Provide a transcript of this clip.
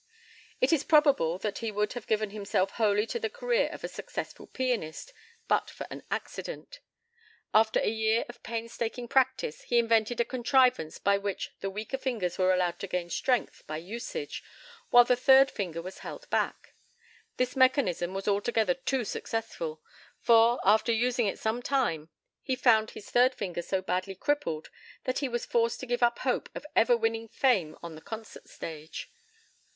It is probable that he would have given himself wholly to the career of a successful pianist, but for an accident. After a year of painstaking practice, he invented a contrivance by which the weaker fingers were allowed to gain strength by usage, while the third finger was held back. This mechanism was altogether too successful, for, after using it some time, he found his third finger so badly crippled that he was forced to give up hope of ever winning fame on the concert stage.